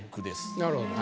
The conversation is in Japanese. なるほど。